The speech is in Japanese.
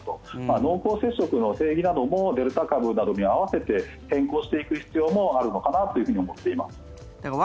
濃厚接触の定義などもデルタ株に合わせて変更していく必要もあるのかなと思っています。